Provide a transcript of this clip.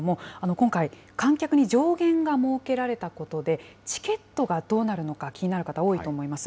今回、観客に上限が設けられたことで、チケットがどうなるのか、気になる方、多いと思います。